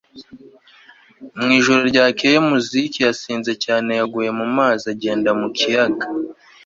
Mu ijoro ryakeye Mizuki yasinze cyane yaguye mu mazi agenda mu kiyaga